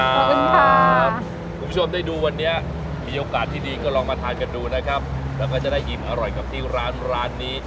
คุณผู้ชมได้ดูวันนี้มีโอกาสที่ดีก็ลองมาทานกันดูนะครับแล้วก็จะได้อิ่มอร่อยกับที่ร้านร้านนี้